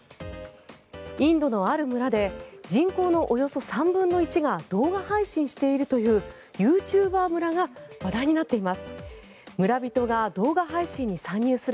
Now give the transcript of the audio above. インドのある村で人口のおよそ３分の１が動画配信しているというユーチューバー村が話題になっています。